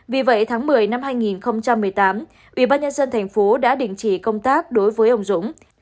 vì vậy tháng một mươi năm hai nghìn một mươi tám ủy ban nhân dân thành phố đã định chỉ công tác đối với ông dũng